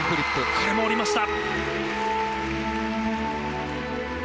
これも降りました。